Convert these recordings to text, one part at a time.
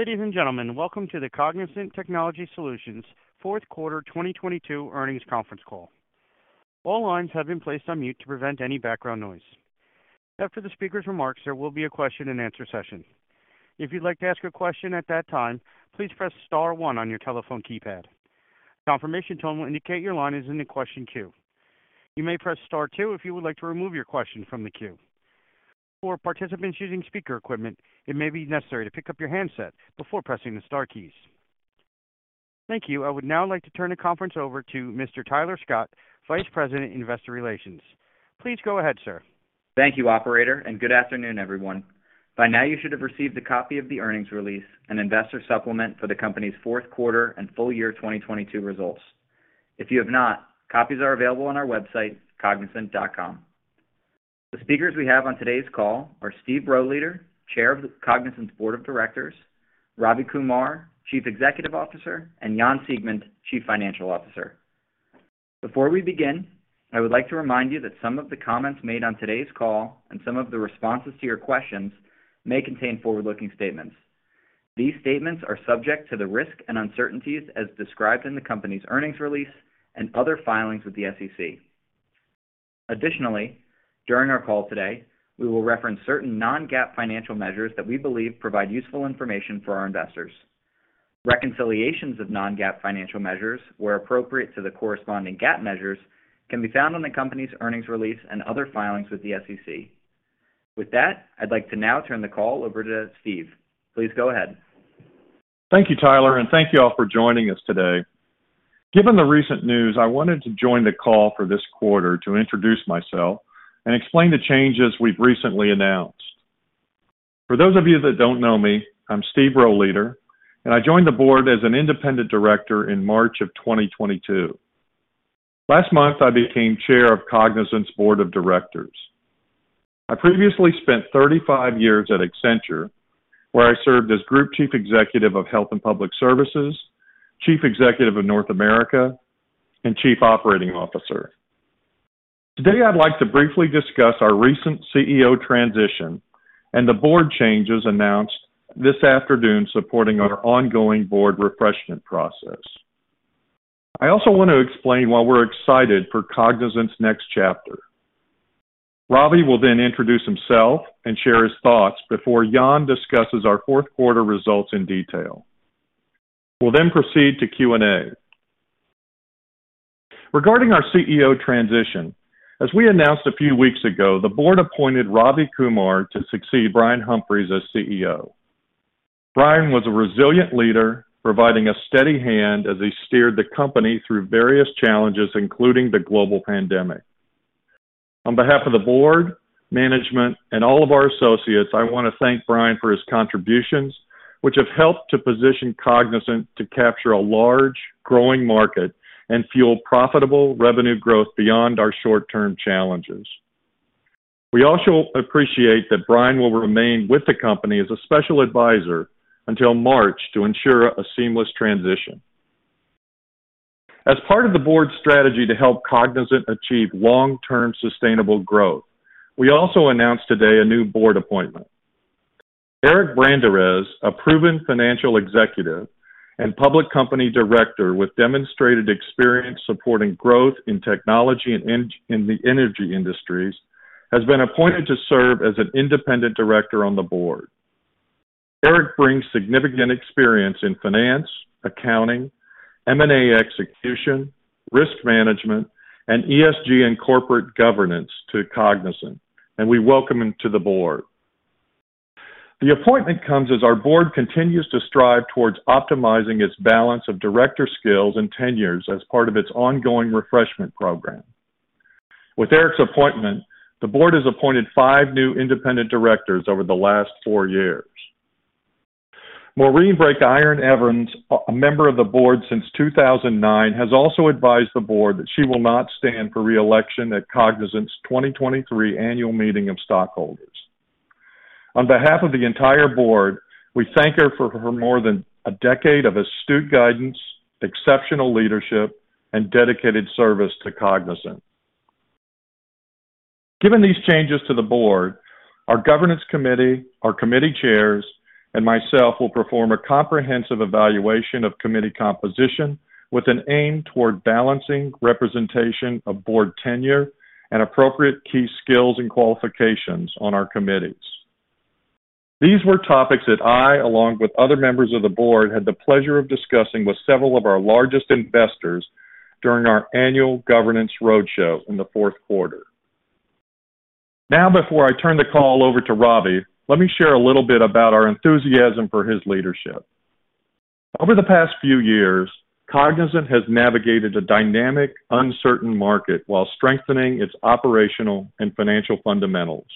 Ladies and gentlemen, welcome to the Cognizant Technology Solutions fourth quarter 2022 earnings conference call. All lines have been placed on mute to prevent any background noise. After the speaker's remarks, there will be a question-and-answer session. If you'd like to ask a question at that time, please press star one on your telephone keypad. A confirmation tone will indicate your line is in the question queue. You may press star two if you would like to remove your question from the queue. For participants using speaker equipment, it may be necessary to pick up your handset before pressing the star keys. Thank you. I would now like to turn the conference over to Mr. Tyler Scott, Vice President, Investor Relations. Please go ahead, sir. Thank you, operator, and good afternoon, everyone. By now, you should have received a copy of the earnings release and investor supplement for the company's fourth quarter and full year 2022 results. If you have not, copies are available on our website, cognizant.com. The speakers we have on today's call are Steve Rohleder, Chair of Cognizant's Board of Directors, Ravi Kumar, Chief Executive Officer, and Jan Siegmund, Chief Financial Officer. Before we begin, I would like to remind you that some of the comments made on today's call and some of the responses to your questions may contain forward-looking statements. These statements are subject to the risks and uncertainties as described in the company's earnings release and other filings with the SEC. Additionally, during our call today, we will reference certain non-GAAP financial measures that we believe provide useful information for our investors. Reconciliations of non-GAAP financial measures, where appropriate to the corresponding GAAP measures, can be found on the company's earnings release and other filings with the SEC. With that, I'd like to now turn the call over to Steve. Please go ahead. Thank you, Tyler. Thank you all for joining us today. Given the recent news, I wanted to join the call for this quarter to introduce myself and explain the changes we've recently announced. For those of you that don't know me, I'm Stephen Rohleder, and I joined the board as an independent director in March of 2022. Last month, I became Chair of Cognizant's Board of Directors. I previously spent 35 years at Accenture, where I served as Group Chief Executive of Health and Public Services, Chief Executive of North America, and Chief Operating Officer. Today, I'd like to briefly discuss our recent CEO transition and the board changes announced this afternoon supporting our ongoing board refreshment process. I also want to explain why we're excited for Cognizant's next chapter. Ravi will then introduce himself and share his thoughts before Jan discusses our fourth quarter results in detail. We'll proceed to Q&A. Regarding our CEO transition, as we announced a few weeks ago, the board appointed Ravi Kumar to succeed Brian Humphries as CEO. Brian was a resilient leader, providing a steady hand as he steered the company through various challenges, including the global pandemic. On behalf of the board, management, and all of our associates, I want to thank Brian for his contributions, which have helped to position Cognizant to capture a large, growing market and fuel profitable revenue growth beyond our short-term challenges. We also appreciate that Brian will remain with the company as a special advisor until March to ensure a seamless transition. As part of the board's strategy to help Cognizant achieve long-term sustainable growth, we also announced today a new board appointment. Eric Branderiz, a proven financial executive and public company director with demonstrated experience supporting growth in technology and in the energy industries, has been appointed to serve as an independent director on the board. Eric brings significant experience in finance, accounting, M&A execution, risk management, and ESG and corporate governance to Cognizant. We welcome him to the board. The appointment comes as our board continues to strive towards optimizing its balance of director skills and tenures as part of its ongoing refreshment program. With Eric's appointment, the board has appointed five new independent directors over the last four years. Maureen Breakiron-Evans, a member of the board since 2009, has also advised the board that she will not stand for re-election at Cognizant's 2023 annual meeting of stockholders. On behalf of the entire board, we thank her for her more than a decade of astute guidance, exceptional leadership, and dedicated service to Cognizant. Given these changes to the board, our governance committee, our committee chairs, and myself will perform a comprehensive evaluation of committee composition with an aim toward balancing representation of board tenure and appropriate key skills and qualifications on our committees. These were topics that I, along with other members of the board, had the pleasure of discussing with several of our largest investors during our annual governance roadshow in the fourth quarter. Before I turn the call over to Ravi, let me share a little bit about our enthusiasm for his leadership. Over the past few years, Cognizant has navigated a dynamic, uncertain market while strengthening its operational and financial fundamentals.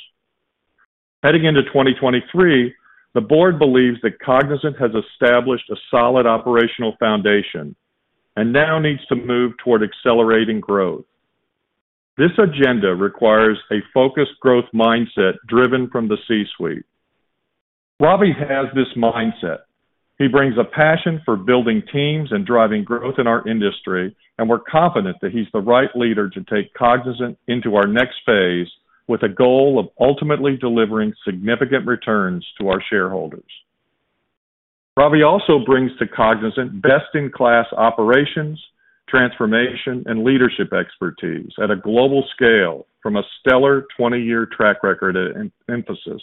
Heading into 2023, the board believes that Cognizant has established a solid operational foundation and now needs to move toward accelerating growth. This agenda requires a focused growth mindset driven from the C-suite. Ravi has this mindset. He brings a passion for building teams and driving growth in our industry, and we're confident that he's the right leader to take Cognizant into our next phase with a goal of ultimately delivering significant returns to our shareholders. Ravi also brings to Cognizant best-in-class operations, transformation, and leadership expertise at a global scale from a stellar 20-year track record at Infosys.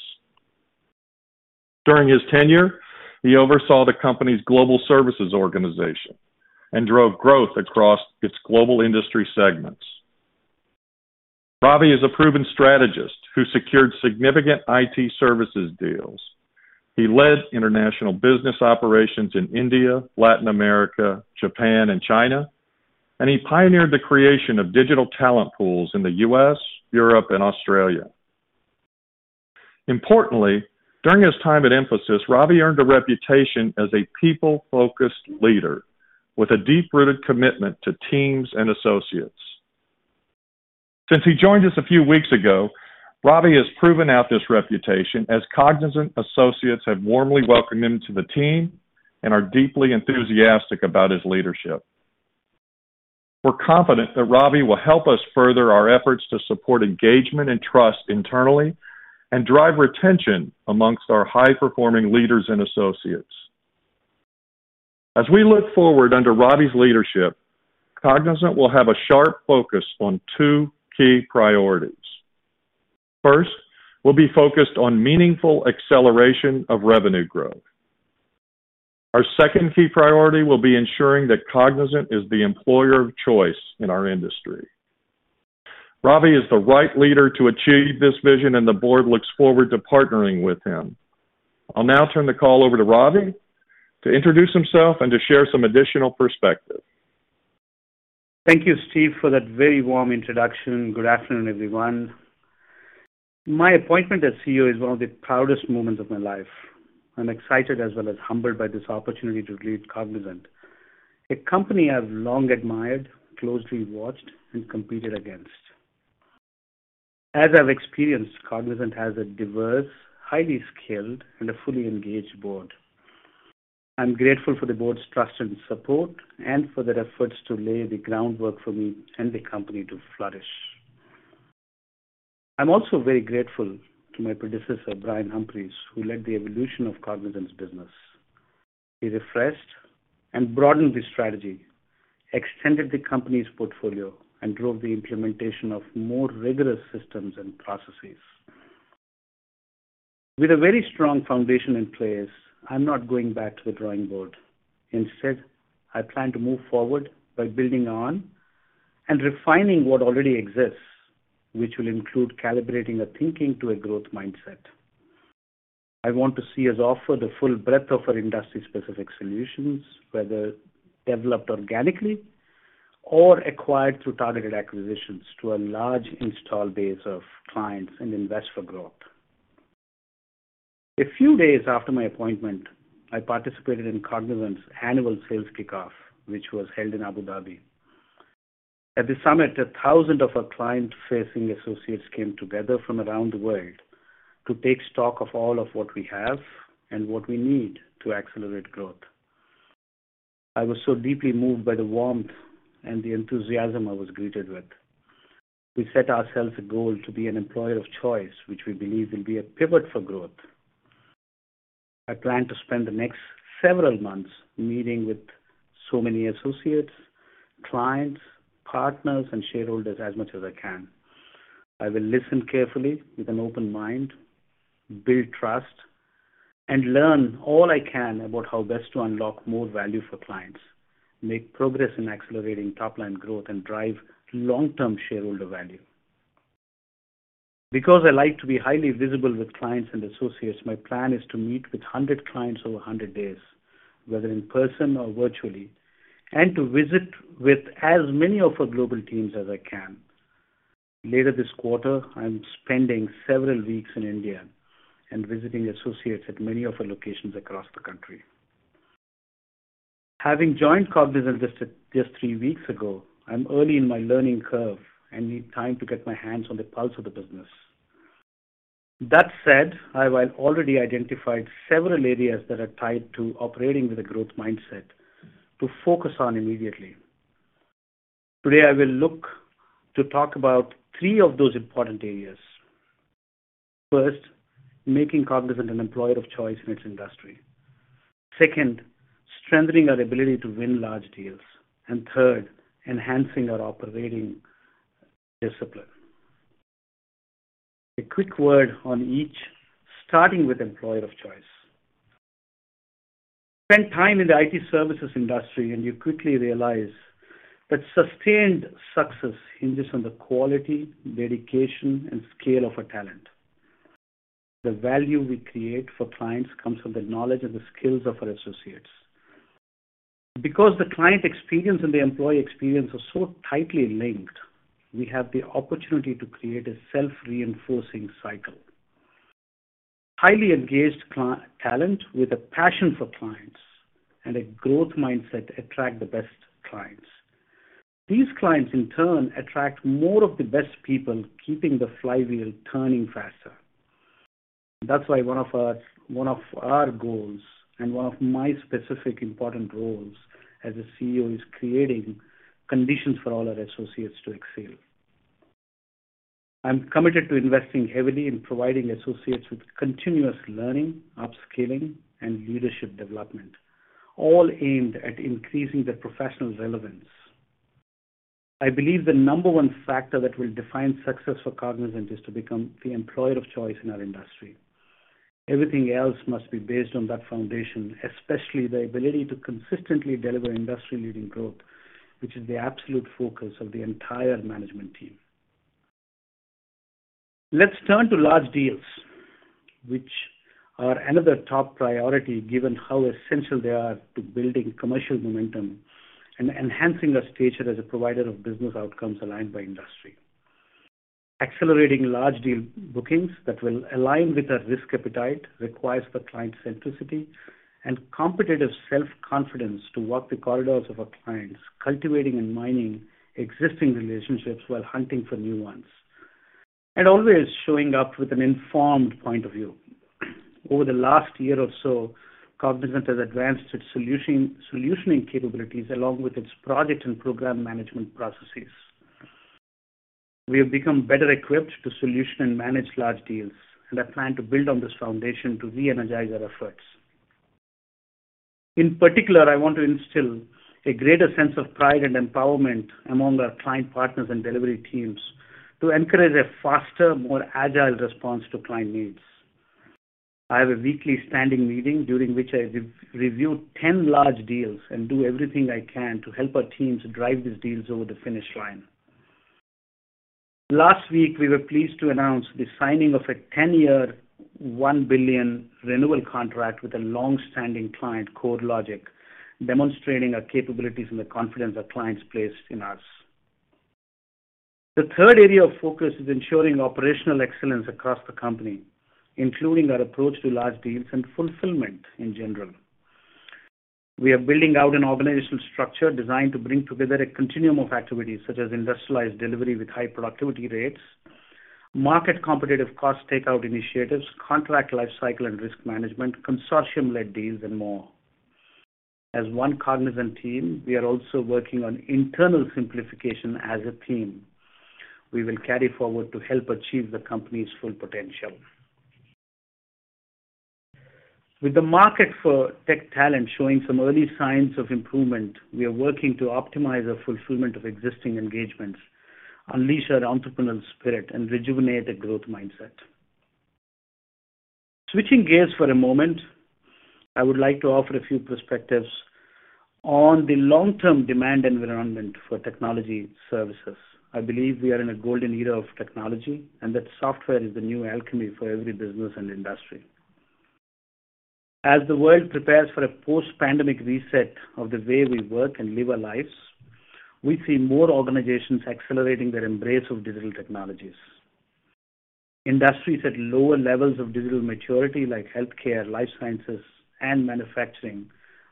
During his tenure, he oversaw the company's global services organization and drove growth across its global industry segments. Ravi is a proven strategist who secured significant IT services deals. He led international business operations in India, Latin America, Japan, and China, and he pioneered the creation of digital talent pools in the U.S., Europe, and Australia. Importantly, during his time at Infosys, Ravi earned a reputation as a people-focused leader with a deep-rooted commitment to teams and associates. Since he joined us a few weeks ago, Ravi has proven out this reputation as Cognizant associates have warmly welcomed him to the team and are deeply enthusiastic about his leadership. We're confident that Ravi will help us further our efforts to support engagement and trust internally and drive retention amongst our high-performing leaders and associates. As we look forward under Ravi's leadership, Cognizant will have a sharp focus on two key priorities. First, we'll be focused on meaningful acceleration of revenue growth. Our second key priority will be ensuring that Cognizant is the employer of choice in our industry. Ravi is the right leader to achieve this vision. The Board looks forward to partnering with him. I'll now turn the call over to Ravi to introduce himself and to share some additional perspective. Thank you, Steve, for that very warm introduction. Good afternoon, everyone. My appointment as CEO is one of the proudest moments of my life. I'm excited as well as humbled by this opportunity to lead Cognizant, a company I've long admired, closely watched, and competed against. As I've experienced, Cognizant has a diverse, highly skilled, and a fully engaged board. I'm grateful for the board's trust and support and for their efforts to lay the groundwork for me and the company to flourish. I'm also very grateful to my predecessor, Brian Humphries, who led the evolution of Cognizant's business. He refreshed and broadened the strategy, extended the company's portfolio, and drove the implementation of more rigorous systems and processes. With a very strong foundation in place, I'm not going back to the drawing board. Instead, I plan to move forward by building on and refining what already exists, which will include calibrating our thinking to a growth mindset. I want to see us offer the full breadth of our industry-specific solutions, whether developed organically or acquired through targeted acquisitions, to a large installed base of clients and invest for growth. A few days after my appointment, I participated in Cognizant's annual sales kickoff, which was held in Abu Dhabi. At the summit, 1,000 of our client-facing associates came together from around the world to take stock of all of what we have and what we need to accelerate growth. I was so deeply moved by the warmth and the enthusiasm I was greeted with. We set ourselves a goal to be an employer of choice, which we believe will be a pivot for growth. I plan to spend the next several months meeting with so many associates, clients, partners, and shareholders as much as I can. I will listen carefully with an open mind, build trust, and learn all I can about how best to unlock more value for clients, make progress in accelerating top-line growth, and drive long-term shareholder value. I like to be highly visible with clients and associates, my plan is to meet with 100 clients over 100 days, whether in person or virtually, and to visit with as many of our global teams as I can. Later this quarter, I'm spending several weeks in India and visiting associates at many of our locations across the country. Having joined Cognizant just three weeks ago, I'm early in my learning curve and need time to get my hands on the pulse of the business. That said, I have already identified several areas that are tied to operating with a growth mindset to focus on immediately. Today, I will look to talk about three of those important areas. First, making Cognizant an employer of choice in its industry. Second, strengthening our ability to win large deals. Third, enhancing our operating discipline. A quick word on each, starting with employer of choice. Spend time in the IT services industry, and you quickly realize that sustained success hinges on the quality, dedication, and scale of a talent. The value we create for clients comes from the knowledge and the skills of our associates. Because the client experience and the employee experience are so tightly linked, we have the opportunity to create a self-reinforcing cycle. Highly engaged talent with a passion for clients and a growth mindset attract the best clients. These clients, in turn, attract more of the best people, keeping the flywheel turning faster. That's why one of our goals and one of my specific important roles as a CEO is creating conditions for all our associates to excel. I'm committed to investing heavily in providing associates with continuous learning, upskilling, and leadership development, all aimed at increasing their professional relevance. I believe the number one factor that will define success for Cognizant is to become the employer of choice in our industry. Everything else must be based on that foundation, especially the ability to consistently deliver industry-leading growth, which is the absolute focus of the entire management team. Let's turn to large deals, which are another top priority given how essential they are to building commercial momentum and enhancing our stature as a provider of business outcomes aligned by industry. Accelerating large deal bookings that will align with our risk appetite requires the client centricity and competitive self-confidence to walk the corridors of our clients, cultivating and mining existing relationships while hunting for new ones, and always showing up with an informed point of view. Over the last year or so, Cognizant has advanced its solutioning capabilities along with its project and program management processes. We have become better equipped to solution and manage large deals. I plan to build on this foundation to re-energize our efforts. In particular, I want to instill a greater sense of pride and empowerment among our client partners and delivery teams to encourage a faster, more agile response to client needs. I have a weekly standing meeting during which I re-review 10 large deals and do everything I can to help our teams drive these deals over the finish line. Last week, we were pleased to announce the signing of a 10-year, $1 billion renewal contract with a long-standing client, CoreLogic, demonstrating our capabilities and the confidence our clients place in us. The third area of focus is ensuring operational excellence across the company, including our approach to large deals and fulfillment in general. We are building out an organizational structure designed to bring together a continuum of activities, such as industrialized delivery with high productivity rates, market competitive cost takeout initiatives, contract life cycle and risk management, consortium-led deals, and more. As one Cognizant team, we are also working on internal simplification as a team we will carry forward to help achieve the company's full potential. With the market for tech talent showing some early signs of improvement, we are working to optimize our fulfillment of existing engagements, unleash our entrepreneurial spirit, and rejuvenate the growth mindset. Switching gears for a moment, I would like to offer a few perspectives on the long-term demand environment for technology services. I believe we are in a golden era of technology, and that software is the new alchemy for every business and industry. As the world prepares for a post-pandemic reset of the way we work and live our lives, we see more organizations accelerating their embrace of digital technologies. Industries at lower levels of digital maturity, like healthcare, life sciences, and manufacturing,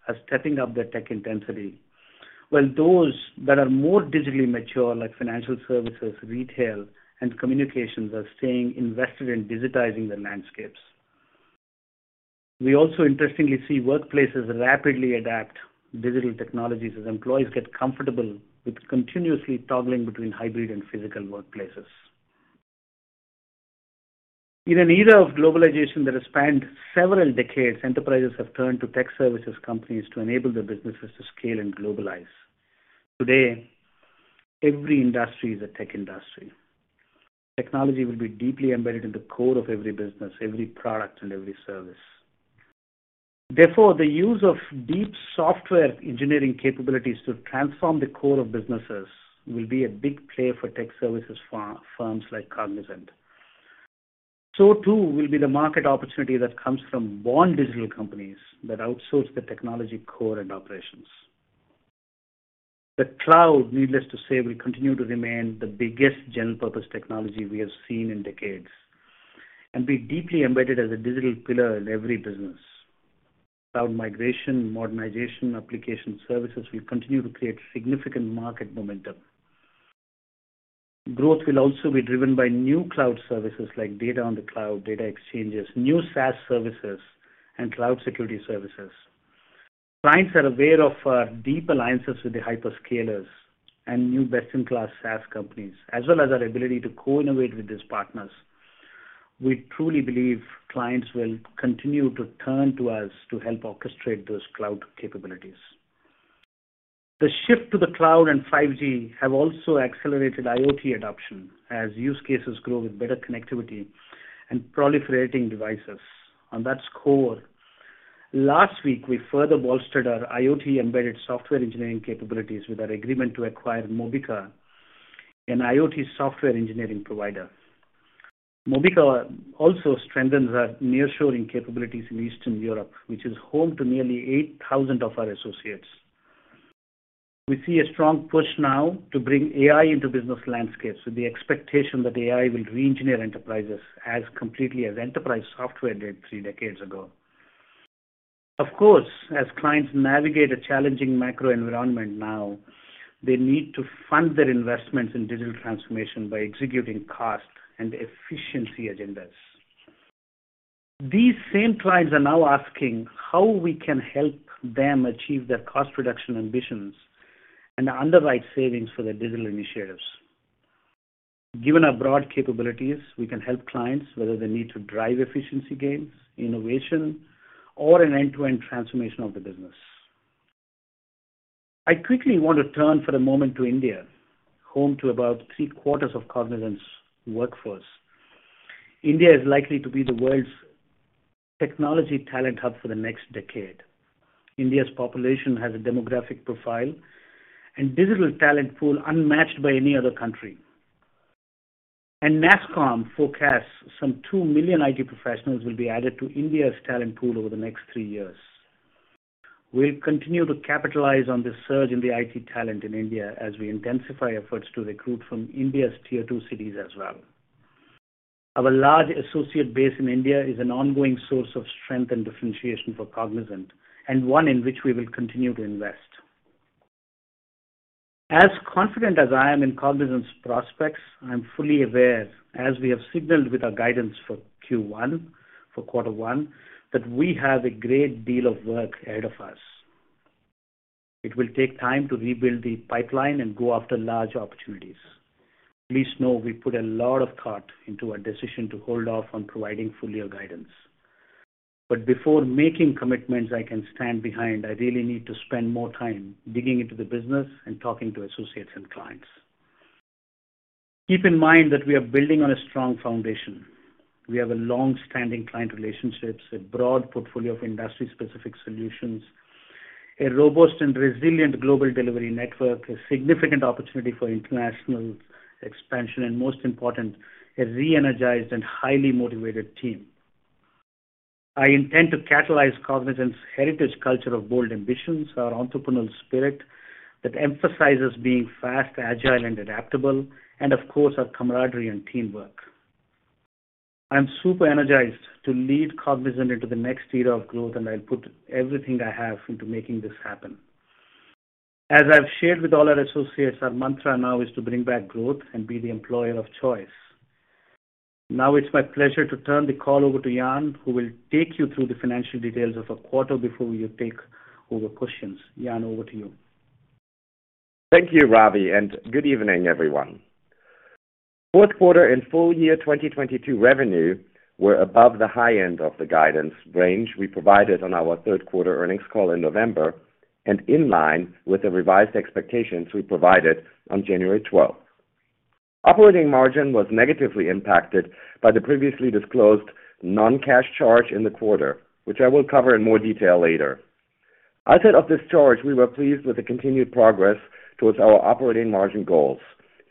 are stepping up their tech intensity, while those that are more digitally mature, like financial services, retail, and communications, are staying invested in digitizing their landscapes. We also interestingly see workplaces rapidly adapt digital technologies as employees get comfortable with continuously toggling between hybrid and physical workplaces. In an era of globalization that has spanned several decades, enterprises have turned to tech services companies to enable their businesses to scale and globalize. Today, every industry is a tech industry. Technology will be deeply embedded in the core of every business, every product and every service. The use of deep software engineering capabilities to transform the core of businesses will be a big play for tech services firms like Cognizant. Too will be the market opportunity that comes from born-digital companies that outsource their technology core and operations. The cloud, needless to say, will continue to remain the biggest general-purpose technology we have seen in decades and be deeply embedded as a digital pillar in every business. Cloud migration, modernization, application services will continue to create significant market momentum. Growth will also be driven by new cloud services like data on the cloud, data exchanges, new SaaS services, and cloud security services. Clients are aware of our deep alliances with the hyperscalers and new best-in-class SaaS companies, as well as our ability to co-innovate with these partners. We truly believe clients will continue to turn to us to help orchestrate those cloud capabilities. The shift to the cloud and 5G have also accelerated IoT adoption as use cases grow with better connectivity and proliferating devices. On that score, last week, we further bolstered our IoT embedded software engineering capabilities with our agreement to acquire Mobica, an IoT software engineering provider. Mobica also strengthens our nearshoring capabilities in Eastern Europe, which is home to nearly 8,000 of our associates. We see a strong push now to bring AI into business landscapes with the expectation that AI will re-engineer enterprises as completely as enterprise software did three decades ago. As clients navigate a challenging macro environment now, they need to fund their investments in digital transformation by executing cost and efficiency agendas. These same clients are now asking how we can help them achieve their cost reduction ambitions and underwrite savings for their digital initiatives. Given our broad capabilities, we can help clients whether they need to drive efficiency gains, innovation, or an end-to-end transformation of the business. I quickly want to turn for a moment to India, home to about three-quarters of Cognizant's workforce. India is likely to be the world's technology talent hub for the next decade. India's population has a demographic profile and digital talent pool unmatched by any other country. NASSCOM forecasts some 2 million IT professionals will be added to India's talent pool over the next three years. We'll continue to capitalize on this surge in the IT talent in India as we intensify efforts to recruit from India's Tier 2 cities as well. Our large associate base in India is an ongoing source of strength and differentiation for Cognizant, and one in which we will continue to invest. As confident as I am in Cognizant's prospects, I'm fully aware, as we have signaled with our guidance for Q1, for quarter one, that we have a great deal of work ahead of us. It will take time to rebuild the pipeline and go after large opportunities. Please know we put a lot of thought into our decision to hold off on providing full year guidance. Before making commitments I can stand behind, I really need to spend more time digging into the business and talking to associates and clients. Keep in mind that we are building on a strong foundation. We have a long-standing client relationships, a broad portfolio of industry-specific solutions, a robust and resilient global delivery network, a significant opportunity for international expansion, and most important, a re-energized and highly motivated team. I intend to catalyze Cognizant's heritage culture of bold ambitions, our entrepreneurial spirit that emphasizes being fast, agile, and adaptable, and of course, our camaraderie and teamwork. I'm super energized to lead Cognizant into the next era of growth, and I'll put everything I have into making this happen. As I've shared with all our associates, our mantra now is to bring back growth and be the employer of choice. It's my pleasure to turn the call over to Jan, who will take you through the financial details of the quarter before we take over questions. Jan, over to you. Thank you, Ravi, and good evening, everyone. Fourth quarter and full year 2022 revenue were above the high end of the guidance range we provided on our third quarter earnings call in November, and in line with the revised expectations we provided on January 12. Operating margin was negatively impacted by the previously disclosed non-cash charge in the quarter, which I will cover in more detail later. Outside of this charge, we were pleased with the continued progress towards our operating margin goals,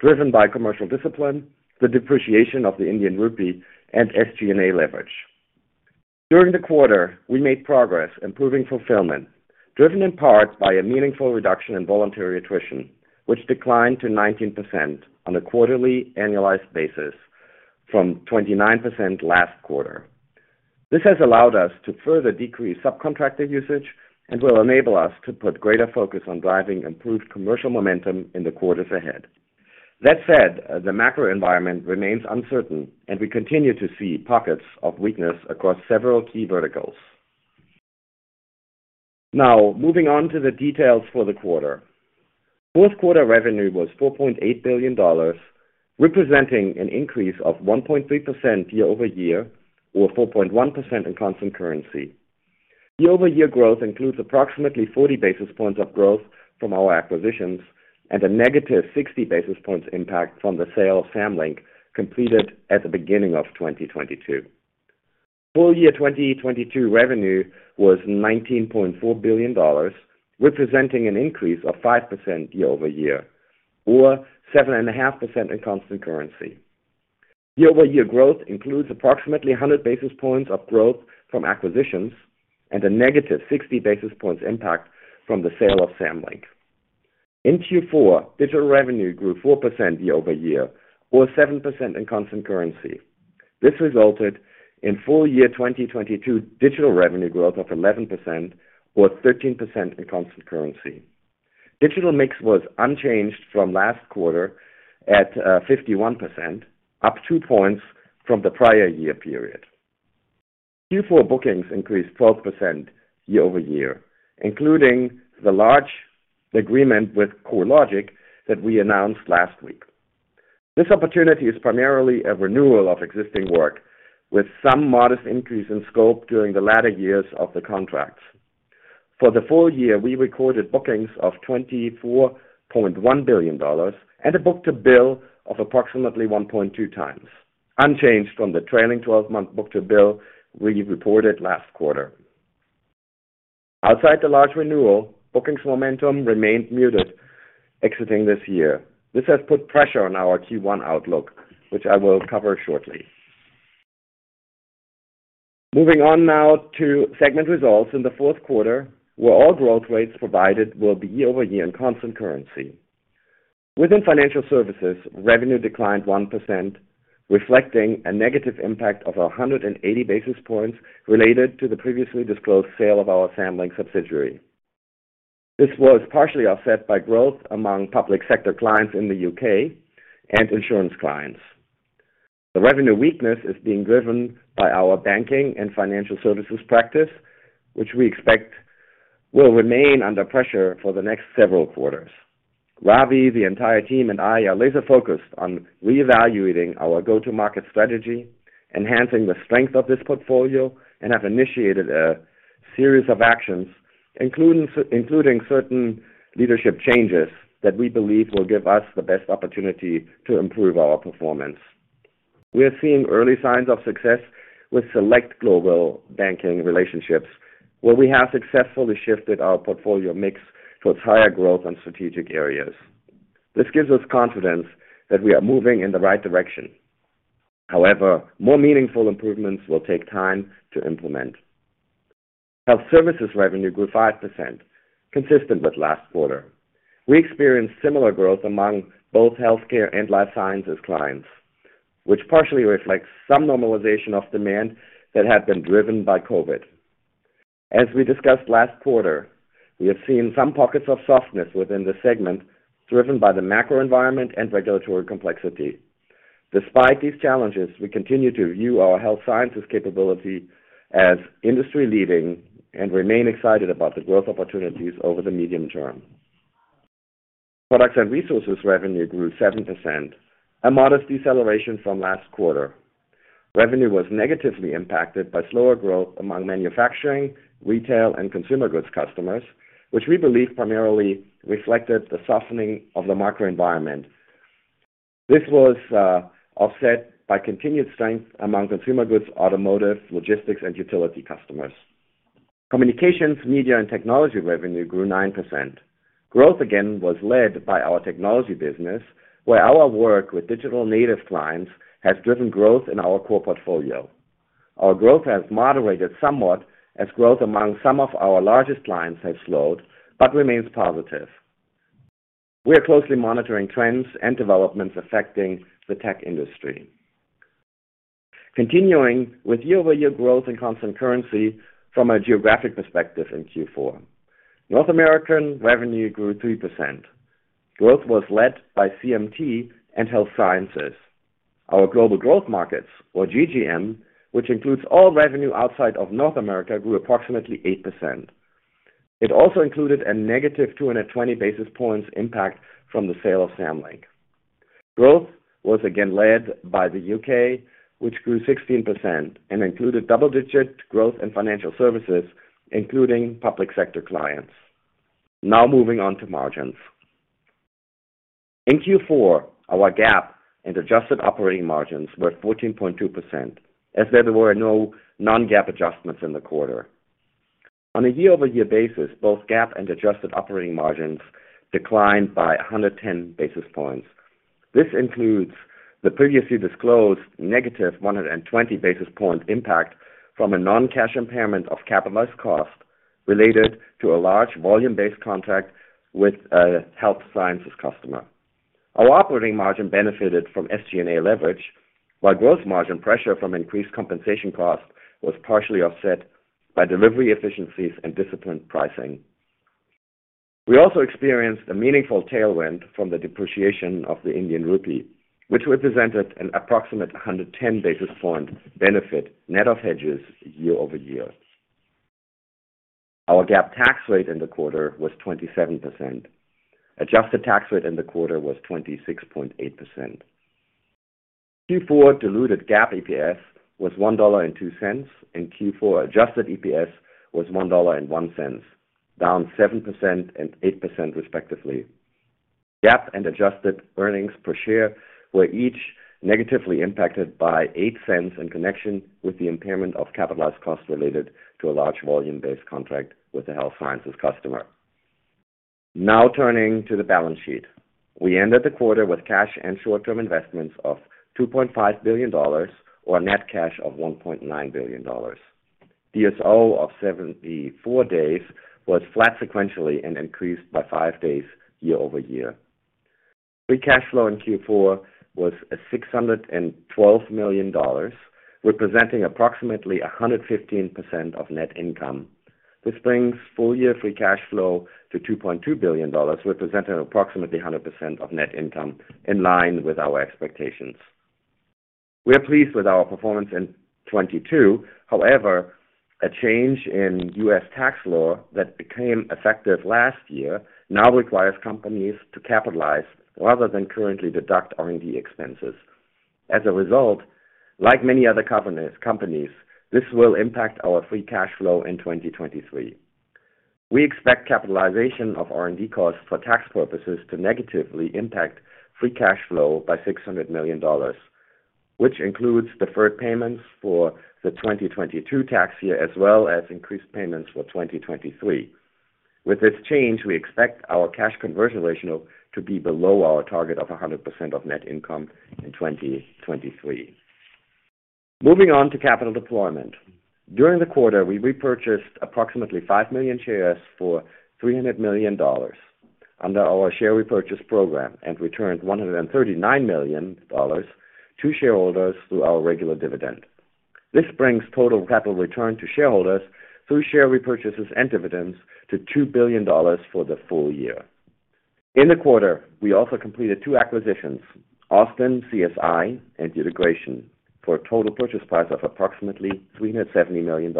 driven by commercial discipline, the depreciation of the Indian rupee and SG&A leverage. During the quarter, we made progress improving fulfillment, driven in part by a meaningful reduction in voluntary attrition, which declined to 19% on a quarterly annualized basis from 29% last quarter. This has allowed us to further decrease subcontractor usage and will enable us to put greater focus on driving improved commercial momentum in the quarters ahead. That said, the macro environment remains uncertain, and we continue to see pockets of weakness across several key verticals. Moving on to the details for the quarter. Fourth quarter revenue was $4.8 billion, representing an increase of 1.3% year-over-year or 4.1% in constant currency. Year-over-year growth includes approximately 40 basis points of growth from our acquisitions and a negative 60 basis points impact from the sale of Samlink completed at the beginning of 2022. Full year 2022 revenue was $19.4 billion, representing an increase of 5% year-over-year or 7.5% in constant currency. Year-over-year growth includes approximately 100 basis points of growth from acquisitions and a negative 60 basis points impact from the sale of Samlink. In Q4, digital revenue grew 4% year-over-year or 7% in constant currency. This resulted in full year 2022 digital revenue growth of 11% or 13% in constant currency. Digital mix was unchanged from last quarter at 51%, up 2 points from the prior year period. Q4 bookings increased 12% year-over-year, including the large agreement with CoreLogic that we announced last week. This opportunity is primarily a renewal of existing work, with some modest increase in scope during the latter years of the contracts. For the full year, we recorded bookings of $24.1 billion and a book-to-bill of approximately 1.2 times, unchanged from the trailing 12-month book-to-bill we reported last quarter. Outside the large renewal, bookings momentum remained muted exiting this year. This has put pressure on our Q1 outlook, which I will cover shortly. Moving on now to segment results in the fourth quarter, where all growth rates provided will be year-over-year in constant currency. Within financial services, revenue declined 1%, reflecting a negative impact of 180 basis points related to the previously disclosed sale of our Samlink subsidiary. This was partially offset by growth among public sector clients in the U.K. and insurance clients. The revenue weakness is being driven by our banking and financial services practice, which we expect will remain under pressure for the next several quarters. Ravi, the entire team and I are laser focused on reevaluating our go-to market strategy, enhancing the strength of this portfolio, and have initiated a series of actions, including certain leadership changes that we believe will give us the best opportunity to improve our performance. We are seeing early signs of success with select global banking relationships, where we have successfully shifted our portfolio mix towards higher growth on strategic areas. This gives us confidence that we are moving in the right direction. However, more meaningful improvements will take time to implement. Health services revenue grew 5%, consistent with last quarter. We experienced similar growth among both healthcare and life sciences clients, which partially reflects some normalization of demand that had been driven by COVID. As we discussed last quarter, we have seen some pockets of softness within the segment, driven by the macro environment and regulatory complexity. Despite these challenges, we continue to view our health sciences capability as industry leading and remain excited about the growth opportunities over the medium term. Products and resources revenue grew 7%, a modest deceleration from last quarter. Revenue was negatively impacted by slower growth among manufacturing, retail, and consumer goods customers, which we believe primarily reflected the softening of the macro environment. This was offset by continued strength among consumer goods, automotive, logistics, and utility customers. Communications, media, and technology revenue grew 9%. Growth again was led by our technology business, where our work with digital native clients has driven growth in our core portfolio. Our growth has moderated somewhat as growth among some of our largest clients has slowed, but remains positive. We are closely monitoring trends and developments affecting the tech industry. Continuing with year-over-year growth in constant currency from a geographic perspective in Q4. North American revenue grew 3%. Growth was led by CMT and health sciences. Our global growth markets, or GGM, which includes all revenue outside of North America, grew approximately 8%. It also included a negative 220 basis points impact from the sale of Samlink. Growth was again led by the UK, which grew 16% and included double-digit growth in financial services, including public sector clients. Moving on to margins. In Q4, our GAAP and adjusted operating margins were 14.2%, as there were no non-GAAP adjustments in the quarter. On a year-over-year basis, both GAAP and adjusted operating margins declined by 110 basis points. This includes the previously disclosed negative 120 basis point impact from a non-cash impairment of capitalized cost related to a large volume-based contract with a health sciences customer. Our operating margin benefited from SG&A leverage, while growth margin pressure from increased compensation costs was partially offset by delivery efficiencies and disciplined pricing. We also experienced a meaningful tailwind from the depreciation of the Indian rupee, which represented an approximate 110 basis point benefit, net of hedges year-over-year. Our GAAP tax rate in the quarter was 27%. Adjusted tax rate in the quarter was 26.8%. Q4 diluted GAAP EPS was $1.02, and Q4 adjusted EPS was $1.01, down 7% and 8% respectively. GAAP and adjusted earnings per share were each negatively impacted by $0.08 in connection with the impairment of capitalized costs related to a large volume-based contract with a health sciences customer. Turning to the balance sheet. We ended the quarter with cash and short-term investments of $2.5 billion, or a net cash of $1.9 billion. DSO of 74 days was flat sequentially and increased by five days year-over-year. Free cash flow in Q4 was $612 million, representing approximately 115% of net income. This brings full year free cash flow to $2.2 billion, representing approximately 100% of net income in line with our expectations. We are pleased with our performance in 2022. However, a change in US tax law that became effective last year now requires companies to capitalize rather than currently deduct R&D expenses. As a result, like many other companies, this will impact our free cash flow in 2023. We expect capitalization of R&D costs for tax purposes to negatively impact free cash flow by $600 million, which includes deferred payments for the 2022 tax year as well as increased payments for 2023. With this change, we expect our cash conversion ratio to be below our target of 100% of net income in 2023. Moving on to capital deployment. During the quarter, we repurchased approximately 5 million shares for $300 million under our share repurchase program and returned $139 million to shareholders through our regular dividend. This brings total capital return to shareholders through share repurchases and dividends to $2 billion for the full year. In the quarter, we also completed two acquisitions, AustinCSI and Utegration, for a total purchase price of approximately $370 million.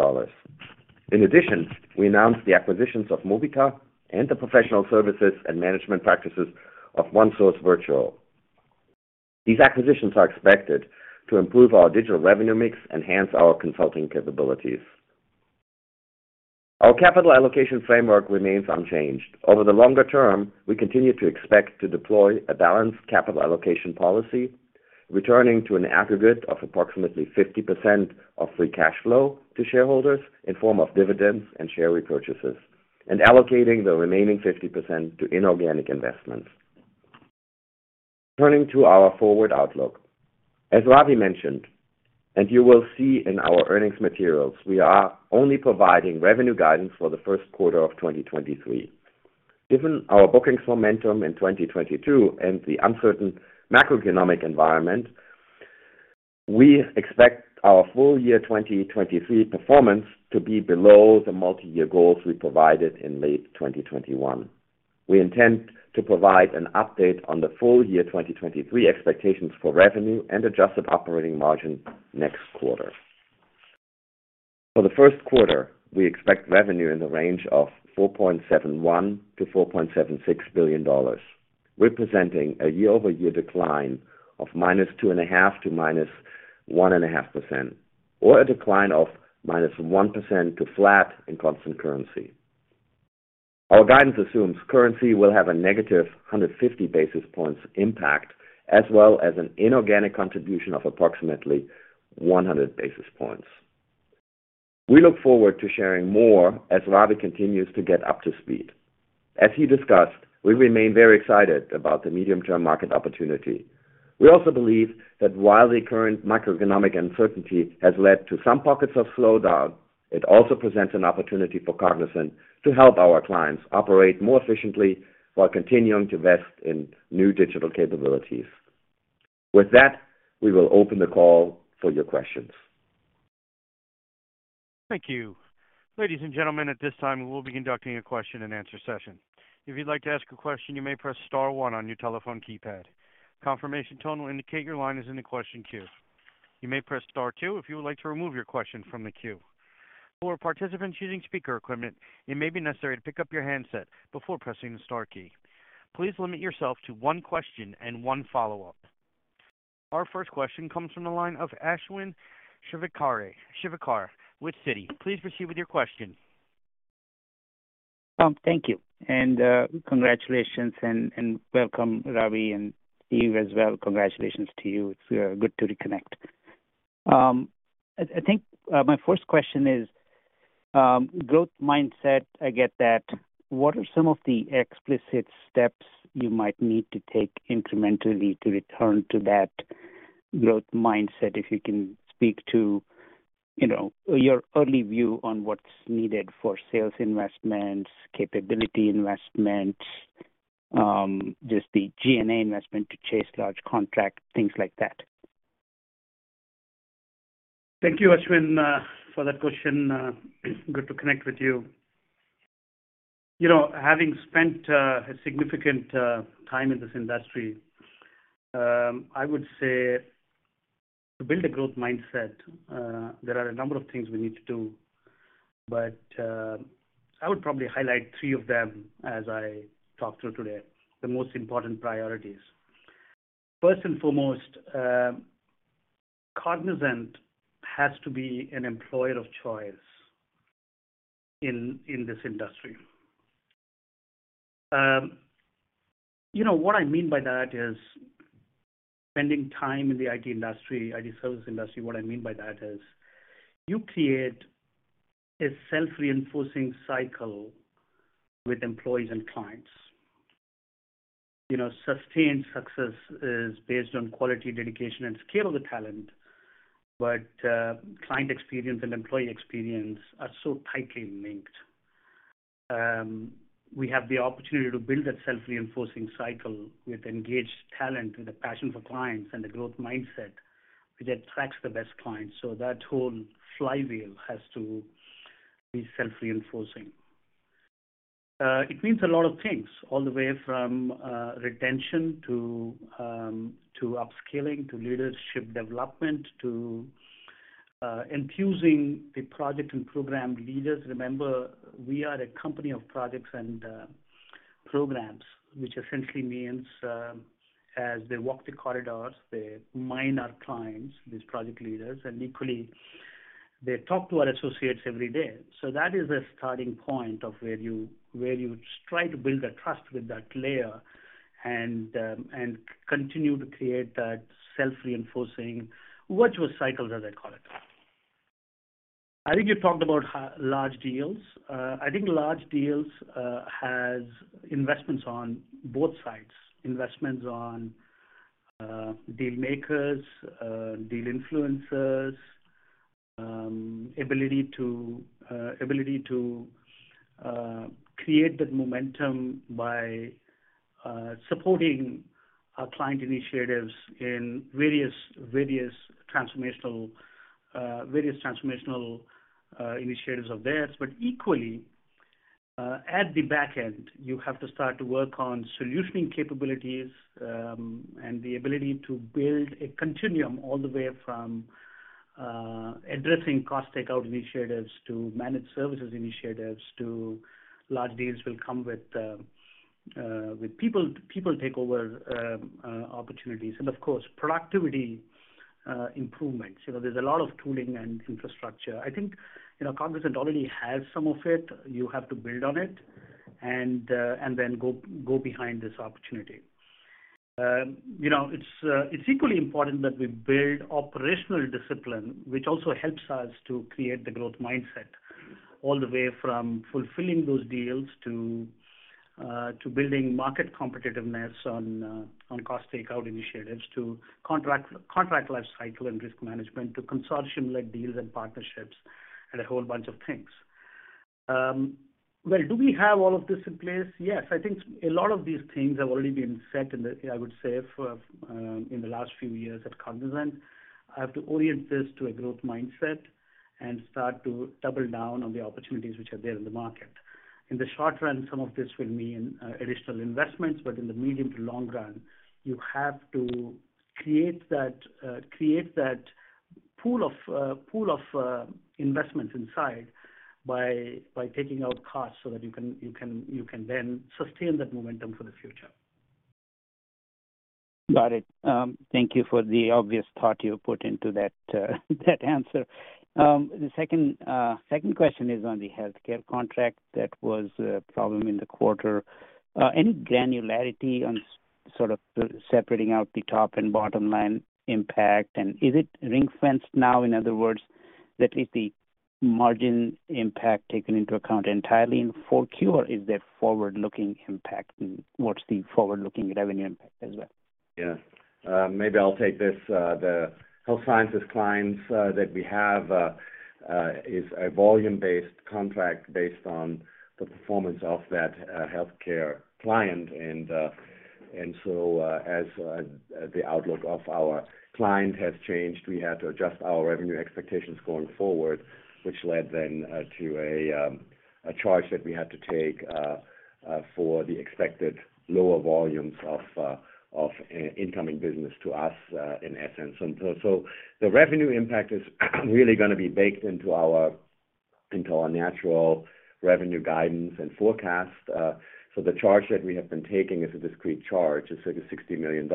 In addition, we announced the acquisitions of Mobica and the professional services and management practices of OneSource Virtual. These acquisitions are expected to improve our digital revenue mix, enhance our consulting capabilities. Our capital allocation framework remains unchanged. Over the longer term, we continue to expect to deploy a balanced capital allocation policy, returning to an aggregate of approximately 50% of free cash flow to shareholders in form of dividends and share repurchases, and allocating the remaining 50% to inorganic investments. Turning to our forward outlook. As Ravi mentioned, and you will see in our earnings materials, we are only providing revenue guidance for the first quarter of 2023. Given our bookings momentum in 2022 and the uncertain macroeconomic environment, we expect our full year 2023 performance to be below the multi-year goals we provided in late 2021. We intend to provide an update on the full year 2023 expectations for revenue and adjusted operating margin next quarter. For the first quarter, we expect revenue in the range of $4.71 billion-$4.76 billion, representing a year-over-year decline of -2.5% to -1.5%, or a decline of -1% to flat in constant currency. Our guidance assumes currency will have a negative 150 basis points impact as well as an inorganic contribution of approximately 100 basis points. We look forward to sharing more as Ravi continues to get up to speed. As he discussed, we remain very excited about the medium-term market opportunity. We also believe that while the current macroeconomic uncertainty has led to some pockets of slowdown, it also presents an opportunity for Cognizant to help our clients operate more efficiently while continuing to invest in new digital capabilities. With that, we will open the call for your questions. Thank you. Ladies and gentlemen, at this time, we'll be conducting a question-and-answer session. If you'd like to ask a question, you may press star one on your telephone keypad. Confirmation tone will indicate your line is in the question queue. You may press star two if you would like to remove your question from the queue. For participants using speaker equipment, it may be necessary to pick up your handset before pressing the star key. Please limit yourself to one question and one follow-up. Our first question comes from the line of Ashwin Shirvaikar with Citi. Please proceed with your question. Thank you and congratulations and welcome, Ravi, and Steve as well. Congratulations to you. It's good to reconnect. I think my first question is growth mindset. I get that. What are some of the explicit steps you might need to take incrementally to return to that growth mindset? If you can speak to, you know, your early view on what's needed for sales investments, capability investments, just the G&A investment to chase large contracts, things like that. Thank you, Ashwin, for that question. Good to connect with you. You know, having spent a significant time in this industry, I would say to build a growth mindset, there are a number of things we need to do, but I would probably highlight three of them as I talk through today, the most important priorities. First and foremost, Cognizant has to be an employer of choice in this industry. You know, what I mean by that is spending time in the IT industry, IT service industry, what I mean by that is you create a self-reinforcing cycle with employees and clients. You know, sustained success is based on quality, dedication, and scale of the talent. Client experience and employee experience are so tightly linked. We have the opportunity to build that self-reinforcing cycle with engaged talent, with a passion for clients and a growth mindset which attracts the best clients. That whole flywheel has to be self-reinforcing. It means a lot of things, all the way from retention to upskilling, to leadership development, to infusing the project and program leaders. Remember, we are a company of projects and programs, which essentially means, as they walk the corridors, they mine our clients, these project leaders, and equally, they talk to our associates every day. That is a starting point of where you, where you try to build a trust with that layer and continue to create that self-reinforcing virtuous cycle, as I call it. I think you talked about large deals. I think large deals has investments on both sides, investments on deal makers, deal influencers, ability to create that momentum by supporting our client initiatives in various transformational initiatives of theirs. Equally, at the back end, you have to start to work on solutioning capabilities, and the ability to build a continuum all the way from addressing cost takeout initiatives to managed services initiatives to large deals will come with people takeover opportunities and of course, productivity improvements. You know, there's a lot of tooling and infrastructure. I think, you know, Cognizant already has some of it. You have to build on it and then go behind this opportunity. You know, it's equally important that we build operational discipline, which also helps us to create the growth mindset, all the way from fulfilling those deals to building market competitiveness on cost takeout initiatives, to contract lifecycle and risk management, to consortium like deals and partnerships, and a whole bunch of things. Well, do we have all of this in place? Yes. I think a lot of these things have already been set in the last few years at Cognizant. I have to orient this to a growth mindset and start to double down on the opportunities which are there in the market. In the short run, some of this will mean additional investments, but in the medium to long run, you have to create that pool of investments inside by taking out costs so that you can then sustain that momentum for the future. Got it. Thank you for the obvious thought you put into that answer. The second question is on the healthcare contract that was a problem in the quarter. Any granularity on sort of the separating out the top and bottom line impact, and is it ring-fenced now, in other words, that if the margin impact taken into account entirely in 4Q or is there forward-looking impact and what's the forward-looking revenue impact as well? Maybe I'll take this. The health sciences clients that we have is a volume-based contract based on the performance of that healthcare client. As the outlook of our client has changed, we had to adjust our revenue expectations going forward, which led then to a charge that we had to take for the expected lower volumes of incoming business to us, in essence. The revenue impact is really gonna be baked into our natural revenue guidance and forecast. The charge that we have been taking is a discrete charge. It's $60 million.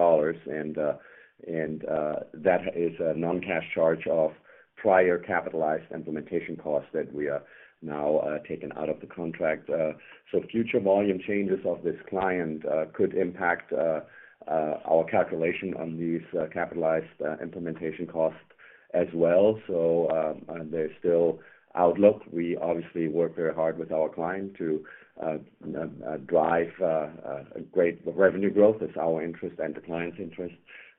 That is a non-cash charge of prior capitalized implementation costs that we are now taking out of the contract. Uh, so future volume changes of this client, uh, could impact, uh, uh, our calculation on these, uh, capitalized, uh, implementation costs as well. So, uh, um, there's still outlook. We obviously work very hard with our client to, uh, um, uh, drive, uh, uh, a great revenue growth. It's our interest and the client's interest.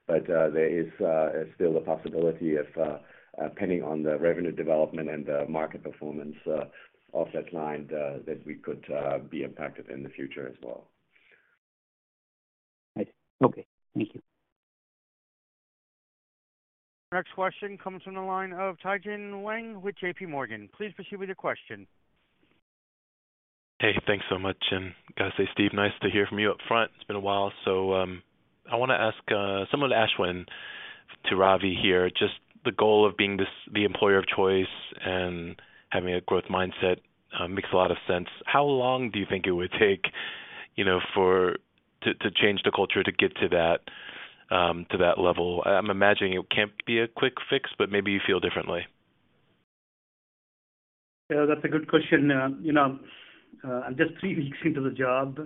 But, uh, there is, uh, still a possibility of, uh, uh, depending on the revenue development and the market performance, uh, of that client, uh, that we could, uh, be impacted in the future as well. Right. Okay. Thank you. Next question comes from the line of Tien-tsin Huang with JPMorgan. Please proceed with your question. Thanks so much. Gotta say, Steve, nice to hear from you up front. It's been a while. I wanna ask, similar to Ashwin, to Ravi here, just the goal of being the employer of choice and having a growth mindset makes a lot of sense. How long do you think it would take to change the culture to get to that level? I'm imagining it can't be a quick fix, but maybe you feel differently. That's a good question. I'm just three weeks into the job.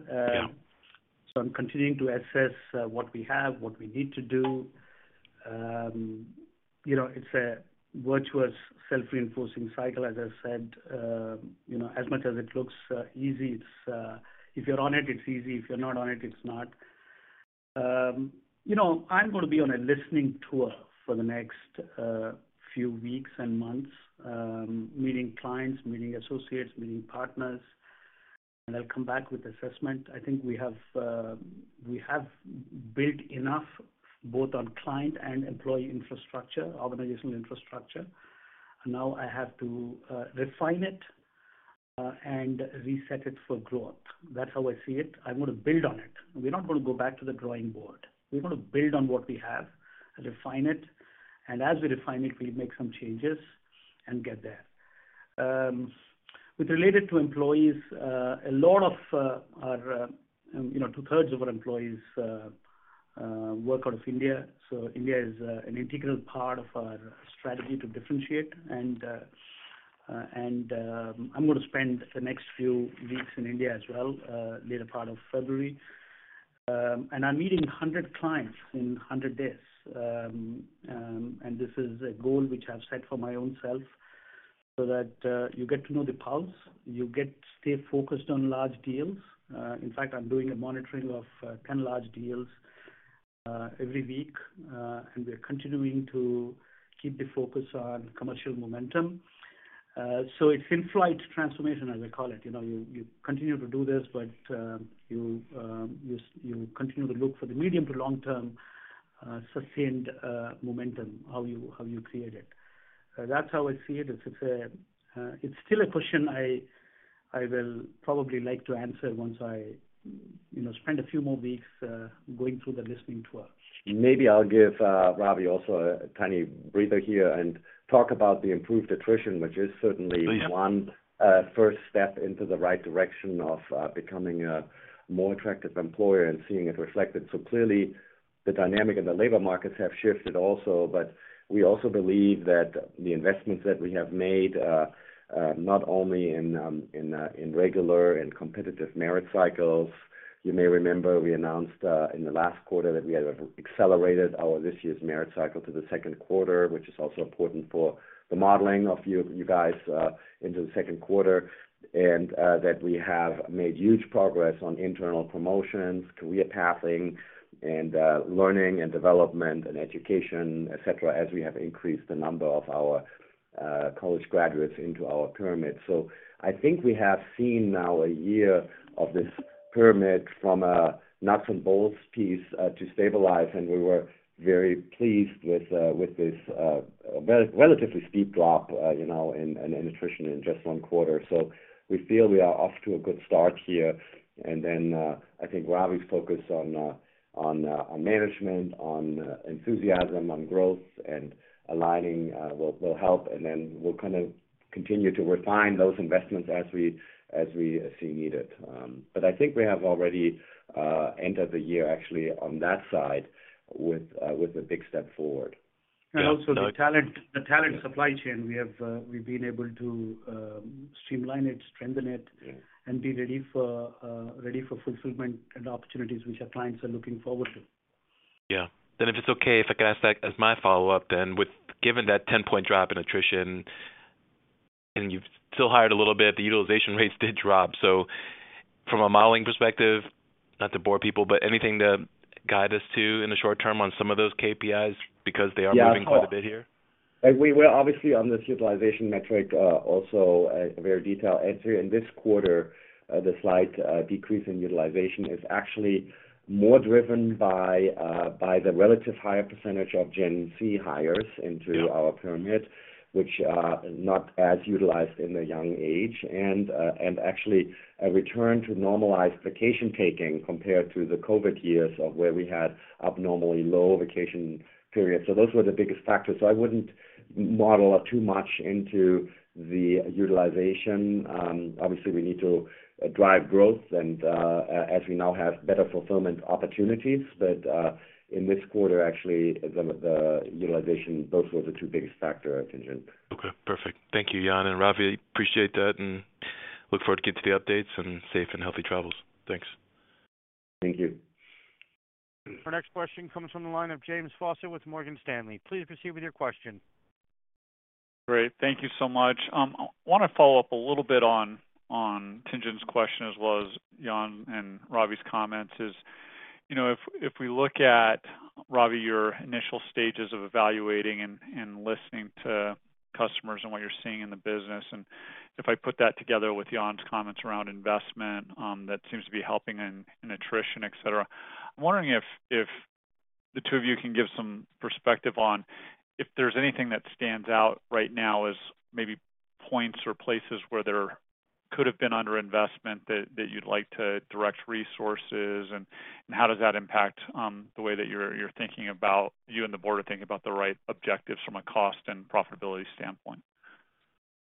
I'm continuing to assess what we have, what we need to do. It's a virtuous self-reinforcing cycle, as I said. As much as it looks easy, it's if you're on it's easy. If you're not on it's not. You know, I'm gonna be on a listening tour for the next few weeks and months, meeting clients, meeting associates, meeting partners, and I'll come back with assessment. I think we have built enough both on client and employee infrastructure, organizational infrastructure. Now I have to refine it and reset it for growth. That's how I see it. I'm gonna build on it. We're not gonna go back to the drawing board. We're gonna build on what we have and refine it, and as we refine it, we'll make some changes and get there. With related to employees, you know, 2/3 of our employees work out of India, so India is an integral part of our strategy to differentiate. I'm gonna spend the next few weeks in India as well, later part of February. I'm meeting 100 clients in 100 days. This is a goal which I've set for my own self so that you get to know the pulse, stay focused on large deals. In fact, I'm doing a monitoring of 10 large deals every week. We are continuing to keep the focus on commercial momentum. So it's in-flight transformation, as I call it. You know, you continue to do this, but you continue to look for the medium to long-term, sustained momentum, how you create it. That's how I see it. It's, it's. It's still a question I will probably like to answer once I, you know, spend a few more weeks going through the listening tour. Maybe I'll give Ravi also a tiny breather here and talk about the improved attrition, which is certainly. Oh, yeah. One first step into the right direction of becoming a more attractive employer and seeing it reflected. Clearly, the dynamic in the labor markets have shifted also. We also believe that the investments that we have made not only in regular and competitive merit cycles. You may remember we announced in the last quarter that we had accelerated this year's merit cycle to the second quarter, which is also important for the modeling of you guys into the second quarter, and that we have made huge progress on internal promotions, career pathing, and learning and development and education, et cetera, as we have increased the number of our college graduates into our pyramid. I think we have seen now a year of this pyramid from a nuts and bolts piece to stabilize, and we were very pleased with this relatively steep drop, you know, in attrition in just one quarter. We feel we are off to a good start here. Then I think Ravi's focus on management, on enthusiasm, on growth and aligning will help. Then we'll kind of continue to refine those investments as we see needed. But I think we have already ended the year actually on that side with a big step forward. Also the talent, the talent supply chain, we have, we've been able to streamline it, strengthen it... Yeah And be ready for fulfillment and opportunities which our clients are looking forward to. Yeah. If it's okay, if I could ask that as my follow-up then? Given that 10-point drop in attrition, and you've still hired a little bit, the utilization rates did drop. From a modeling perspective, not to bore people, but anything to guide us to in the short term on some of those KPIs because they are moving quite a bit here? Yeah. We're obviously on this utilization metric, also a very detailed answer. In this quarter, the slight decrease in utilization is actually more driven by the relative higher percentage of Gen Z hires into our pyramid, which are not as utilized in the young age. Actually, a return to normalized vacation taking compared to the COVID years of where we had abnormally low vacation periods. Those were the biggest factors. I wouldn't model too much into the utilization. Obviously, we need to drive growth and as we now have better fulfillment opportunities. In this quarter, actually, the utilization, those were the two biggest factor, Tien-tsin. Okay. Perfect. Thank you, Jan and Ravi. Appreciate that, and look forward to get to the updates and safe and healthy travels. Thanks. Thank you. Our next question comes from the line of James Faucette with Morgan Stanley. Please proceed with your question. Great. Thank you so much. I wanna follow up a little bit on Tien-tsin's question as well as Jan and Ravi's comments, is, you know, if we look at, Ravi, your initial stages of evaluating and listening to customers and what you're seeing in the business, and if I put that together with Jan's comments around investment, that seems to be helping in attrition, et cetera. I'm wondering if the two of you can give some perspective on if there's anything that stands out right now as maybe points or places where there could have been underinvestment that you'd like to direct resources, and how does that impact the way that you're thinking about, you and the Board are thinking about the right objectives from a cost and profitability standpoint?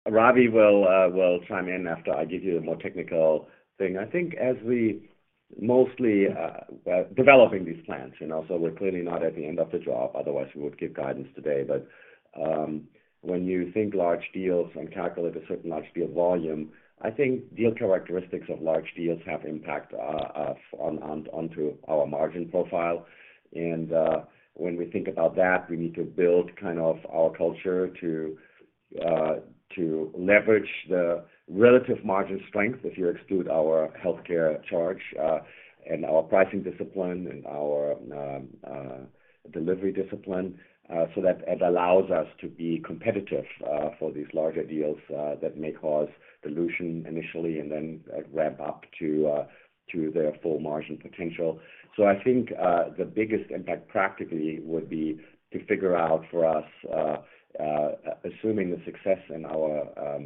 Ravi will chime in after I give you the more technical thing. I think as we mostly developing these plans, you know, we're clearly not at the end of the job, otherwise we would give guidance today. When you think large deals and calculate a certain large deal volume, I think deal characteristics of large deals have impact on our margin profile. When we think about that, we need to build kind of our culture to leverage the relative margin strength if you exclude our healthcare charge and our pricing discipline and our delivery discipline so that it allows us to be competitive for these larger deals that may cause dilution initially and then ramp up to their full margin potential. I think the biggest impact practically would be to figure out for us, assuming the success in our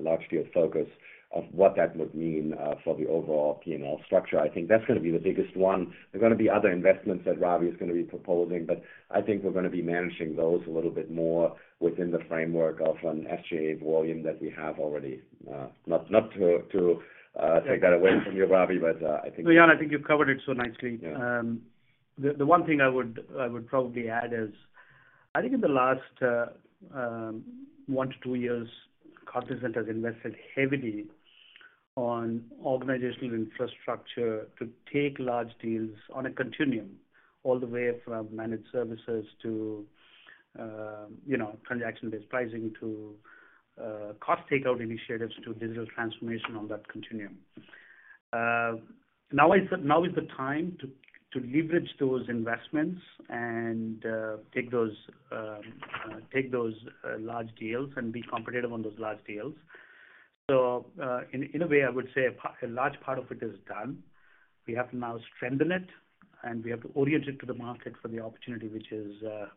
large deal focus of what that would mean for the overall P&L structure. I think that's gonna be the biggest one. There are gonna be other investments that Ravi is gonna be proposing, I think we're gonna be managing those a little bit more within the framework of an SG&A volume that we have already. Not to take that away from you, Ravi, I think- No, Jan, I think you've covered it so nicely. Yeah. The one thing I would probably add is I think in the last one to two years, Cognizant has invested heavily on organizational infrastructure to take large deals on a continuum, all the way from managed services to, you know, transaction-based pricing to cost takeout initiatives to digital transformation on that continuum. Now is the time to leverage those investments and take those large deals and be competitive on those large deals. In a way, I would say a large part of it is done. We have to now strengthen it, and we have to orient it to the market for the opportunity which is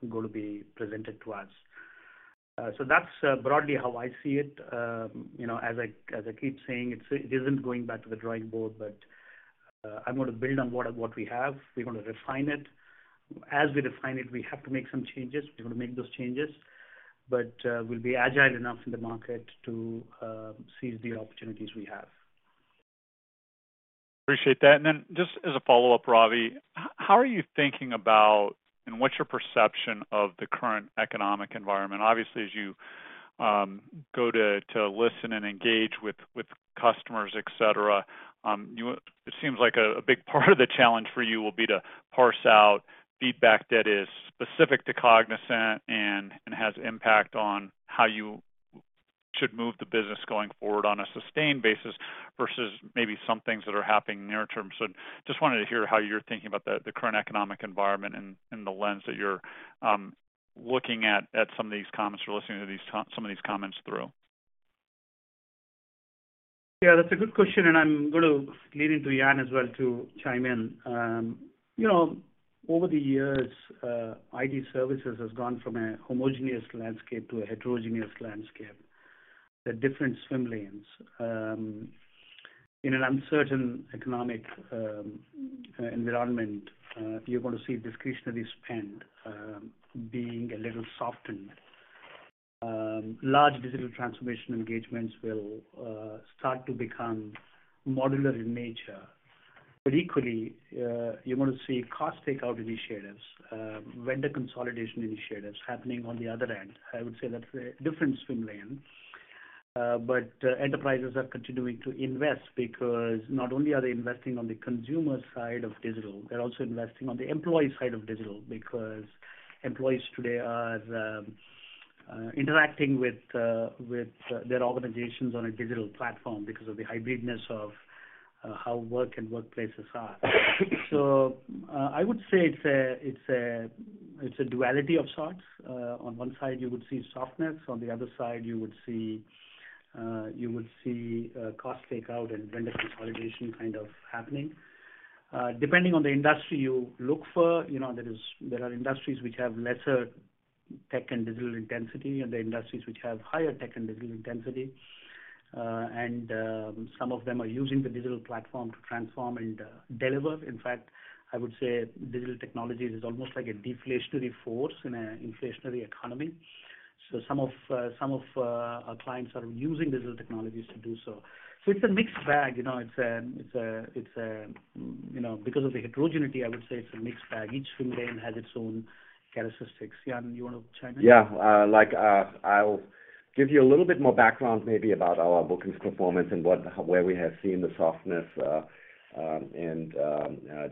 going to be presented to us. That's broadly how I see it. You know, as I keep saying, it's, it isn't going back to the drawing board, but, I'm gonna build on what we have. We're gonna refine it. As we refine it, we have to make some changes. We're gonna make those changes, but, we'll be agile enough in the market to, seize the opportunities we have. Appreciate that. Just as a follow-up, Ravi, how are you thinking about, and what's your perception of the current economic environment? Obviously, as you go to listen and engage with customers, et cetera, it seems like a big part of the challenge for you will be to parse out feedback that is specific to Cognizant and has impact on how you should move the business going forward on a sustained basis versus maybe some things that are happening near term. Just wanted to hear how you're thinking about the current economic environment and the lens that you're looking at some of these comments or listening to some of these comments through. Yeah, that's a good question, and I'm going to lean into Jan as well to chime in. You know, over the years, IT services has gone from a homogeneous landscape to a heterogeneous landscape. There are different swim lanes. In an uncertain economic environment, you're gonna see discretionary spend being a little softened. Large digital transformation engagements will start to become modular in nature. Equally, you're gonna see cost takeout initiatives, vendor consolidation initiatives happening on the other end. I would say that's a different swim lane. Enterprises are continuing to invest because not only are they investing on the consumer side of digital, they're also investing on the employee side of digital because employees today are the interacting with their organizations on a digital platform because of the hybridness of how work and workplaces are. I would say it's a duality of sorts. On one side you would see softness, on the other side you would see cost takeout and vendor consolidation kind of happening. Depending on the industry you look for, you know, there are industries which have lesser tech and digital intensity and there are industries which have higher tech and digital intensity. Some of them are using the digital platform to transform and deliver. In fact, I would say digital technologies is almost like a deflationary force in an inflationary economy. Some of our clients are using digital technologies to do so. It's a mixed bag, you know. It's a mixed bag, you know, because of the heterogeneity, I would say it's a mixed bag. Each swim lane has its own characteristics. Jan, you want to chime in? I'll give you a little bit more background maybe about our bookings performance and where we have seen the softness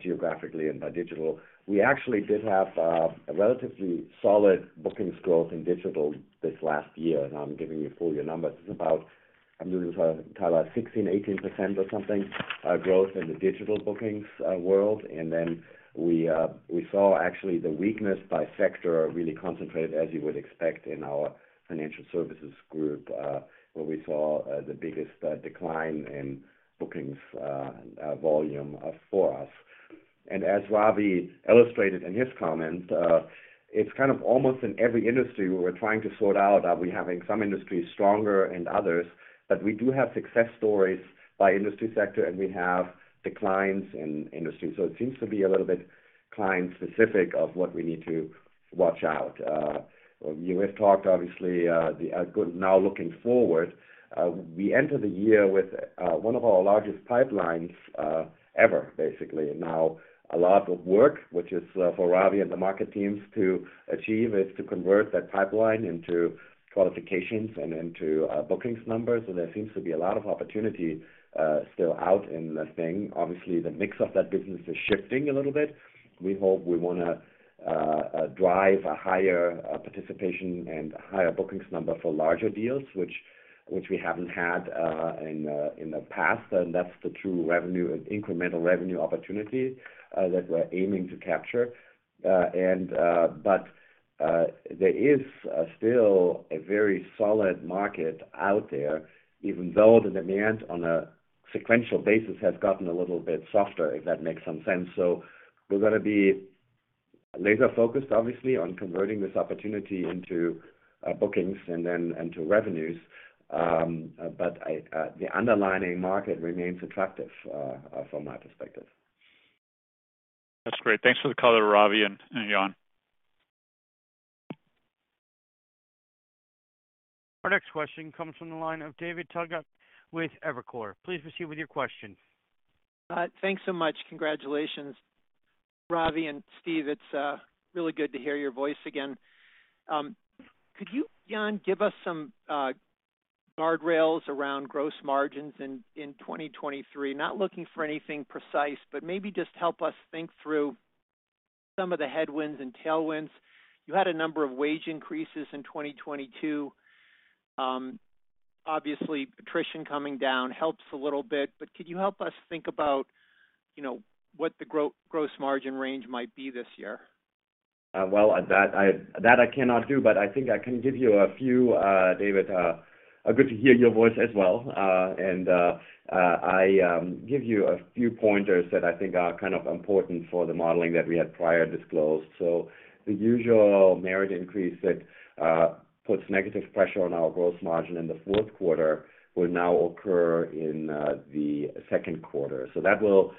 geographically and by digital. We actually did have a relatively solid bookings growth in digital this last year, and I'm giving you full year numbers. It's about, I'm doing this kinda like 16%-18% or something growth in the digital bookings world. We saw actually the weakness by sector really concentrated, as you would expect in our financial services group, where we saw the biggest decline in bookings volume for us. As Ravi illustrated in his comments, it's kind of almost in every industry where we're trying to sort out, are we having some industries stronger and others. We do have success stories by industry sector and we have declines in industry. It seems to be a little bit client specific of what we need to watch out. You have talked obviously, good now looking forward, we enter the year with one of our largest pipelines ever, basically. A lot of work, which is for Ravi and the market teams to achieve, is to convert that pipeline into qualifications and into bookings numbers. There seems to be a lot of opportunity still out in the thing. Obviously, the mix of that business is shifting a little bit. We hope we wanna drive a higher participation and higher bookings number for larger deals, which we haven't had in the past. That's the true revenue and incremental revenue opportunity that we're aiming to capture. There is still a very solid market out there, even though the demand on a sequential basis has gotten a little bit softer, if that makes some sense. We're gonna be laser-focused, obviously, on converting this opportunity into bookings and then into revenues. I, the underlying market remains attractive from my perspective. That's great. Thanks for the color, Ravi and Jan. Our next question comes from the line of David Togut with Evercore. Please proceed with your question. Thanks so much. Congratulations, Ravi and Steve. It's really good to hear your voice again. Could you, Jan, give us some guardrails around gross margins in 2023? Not looking for anything precise, but maybe just help us think through some of the headwinds and tailwinds. You had a number of wage increases in 2022. Obviously, attrition coming down helps a little bit, but could you help us think about, you know, what the gross margin range might be this year? Well, that I, that I cannot do, but I think I can give you a few, David. Good to hear your voice as well. I give you a few pointers that I think are kind of important for the modeling that we had prior disclosed. The usual merit increase that puts negative pressure on our gross margin in the fourth quarter will now occur in the second quarter. That will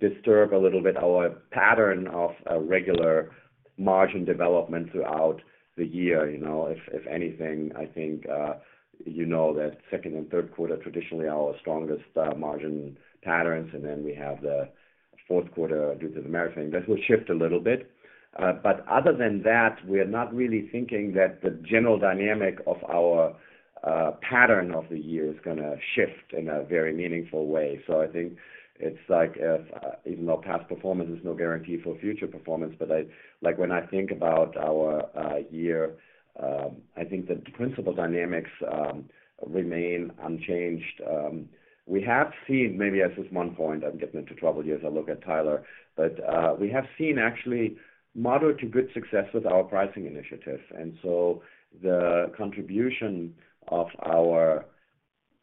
disturb a little bit our pattern of a regular margin development throughout the year. You know, if anything, I think, you know that second and third quarter traditionally our strongest margin patterns, and then we have the fourth quarter due to the merit thing. This will shift a little bit. Other than that, we're not really thinking that the general dynamic of our pattern of the year is gonna shift in a very meaningful way. I think it's like if, even though past performance is no guarantee for future performance, Like, when I think about our year, I think the principal dynamics remain unchanged. We have seen maybe as this one point, I'm getting into trouble here as I look at Tyler, we have seen actually moderate to good success with our pricing initiatives. The contribution of our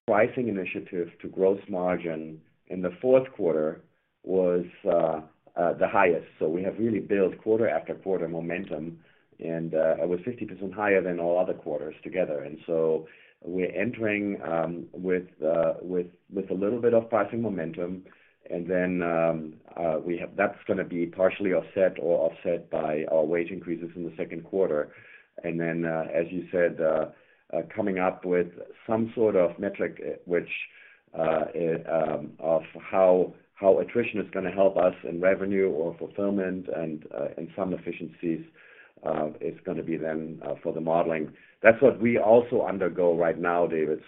pricing initiative to gross margin in the fourth quarter was the highest. We have really built quarter after quarter momentum, it was 50% higher than all other quarters together. We're entering, with, with a little bit of pricing momentum. That's gonna be partially offset or offset by our wage increases in the second quarter. As you said, coming up with some sort of metric which, of how attrition is gonna help us in revenue or fulfillment and some efficiencies, is gonna be then, for the modeling. That's what we also undergo right now, David.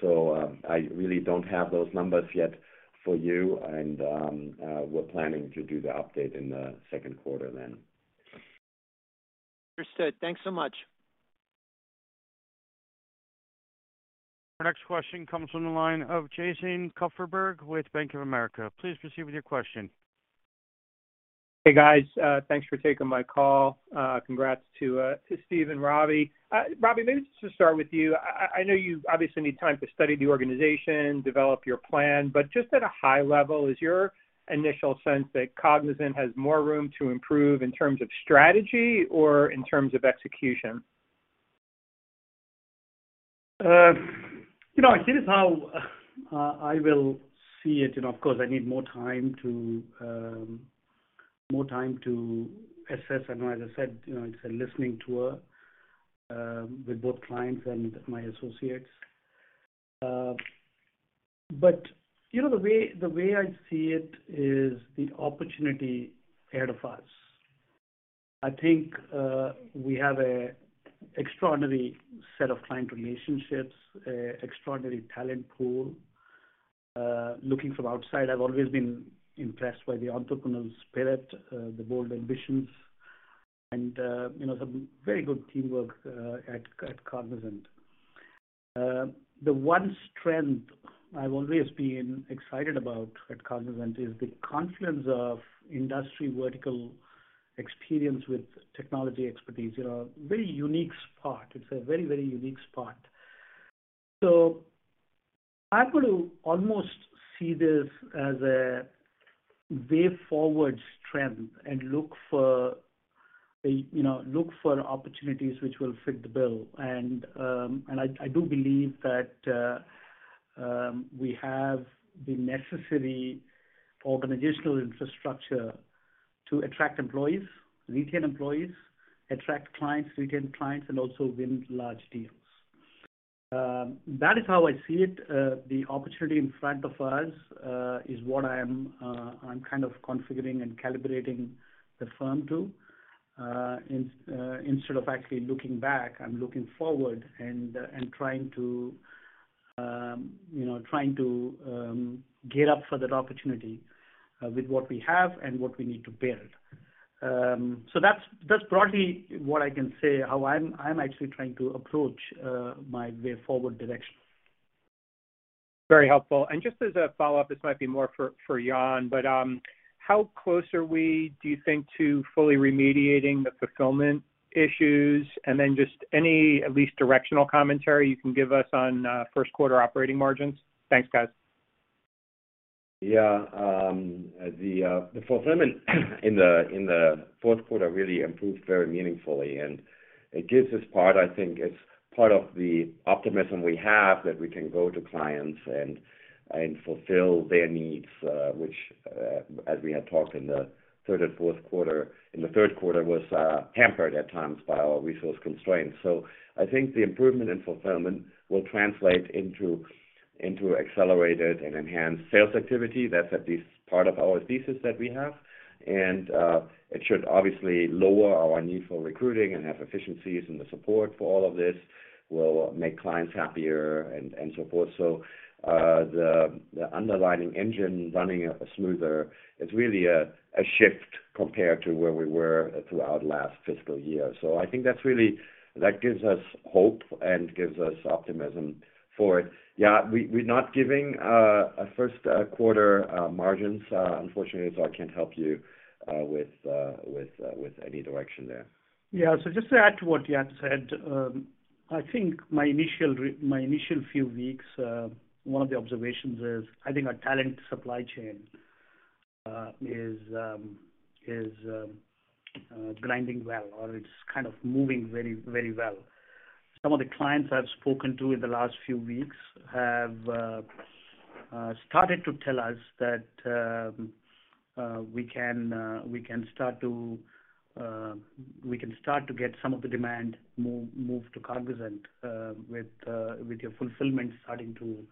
I really don't have those numbers yet for you, and, we're planning to do the update in the second quarter then. Understood. Thanks so much. Our next question comes from the line of Jason Kupferberg with Bank of America. Please proceed with your question. Hey, guys. Thanks for taking my call. Congrats to Steve and Ravi. Ravi, maybe just to start with you. I know you obviously need time to study the organization, develop your plan, but just at a high level, is your initial sense that Cognizant has more room to improve in terms of strategy or in terms of execution? you know, here is how I will see it, and of course I need more time to assess. I know, as I said, you know, it's a listening tour with both clients and my associates. You know, the way I see it is the opportunity ahead of us. I think, we have a extraordinary set of client relationships, extraordinary talent pool. Looking from outside, I've always been impressed by the entrepreneurial spirit, the bold ambitions and, you know, some very good teamwork at Cognizant. The one strength I've always been excited about at Cognizant is the confluence of industry vertical experience with technology expertise. You know, very unique spot. It's a very unique spot. I'm gonna almost see this as a way forward trend and look for, you know, opportunities which will fit the bill. I do believe that we have the necessary organizational infrastructure to attract employees, retain employees, attract clients, retain clients, and also win large deals. That is how I see it. The opportunity in front of us is what I'm kind of configuring and calibrating the firm to. Instead of actually looking back, I'm looking forward and trying to, you know, trying to gear up for that opportunity with what we have and what we need to build. That's broadly what I can say, how I'm actually trying to approach my way forward direction. Very helpful. Just as a follow-up, this might be more for Jan, but, how close are we, do you think, to fully remediating the fulfillment issues? Then just any at least directional commentary you can give us on first quarter operating margins. Thanks, guys. Yeah. The fulfillment in the, in the fourth quarter really improved very meaningfully. It gives this part, I think it's part of the optimism we have that we can go to clients and fulfill their needs, which, as we had talked in the third and fourth quarter, in the third quarter, was hampered at times by our resource constraints. I think the improvement in fulfillment will translate into accelerated and enhanced sales activity. That's at least part of our thesis that we have. It should obviously lower our need for recruiting and have efficiencies and the support for all of this will make clients happier and so forth. The, the underlying engine running smoother, it's really a shift compared to where we were throughout last fiscal year. I think that gives us hope and gives us optimism for it. Yeah, we're not giving a first quarter margins, unfortunately, so I can't help you with any direction there. Yeah. Just to add to what Jan said, I think my initial few weeks, one of the observations is I think our talent supply chain is grinding well, or it's kind of moving very, very well. Some of the clients I've spoken to in the last few weeks have started to tell us that we can start to get some of the demand moved to Cognizant with your fulfillment starting to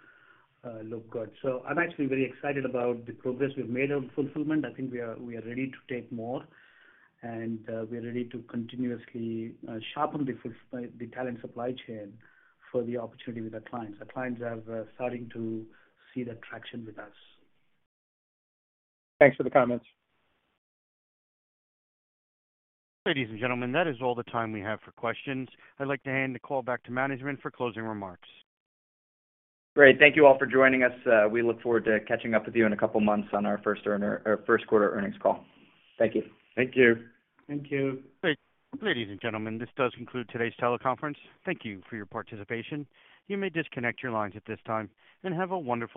look good. I'm actually very excited about the progress we've made on fulfillment. I think we are ready to take more, and we are ready to continuously sharpen the talent supply chain for the opportunity with our clients. Our clients are starting to see the traction with us. Thanks for the comments. Ladies and gentlemen, that is all the time we have for questions. I'd like to hand the call back to management for closing remarks. Great. Thank you all for joining us. We look forward to catching up with you in a couple of months on our first quarter earnings call. Thank you. Thank you. Thank you. Great. Ladies and gentlemen, this does conclude today's teleconference. Thank you for your participation. You may disconnect your lines at this time, and have a wonderful day.